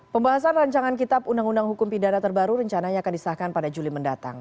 pembahasan rancangan kitab undang undang hukum pidana terbaru rencananya akan disahkan pada juli mendatang